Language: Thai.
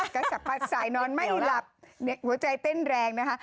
สะพัดสายนอนไม่หลับหัวใจเต้นแรงนะคะ